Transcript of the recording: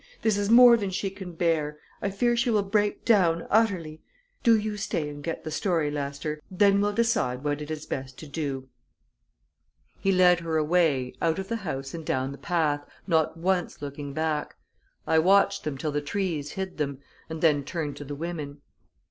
"This is more than she can bear I fear she will break down utterly. Do you stay and get the story, Lester. Then we'll decide what it is best to do." He led her away, out of the house and down the path, not once looking back. I watched them till the trees hid them, and then turned to the women.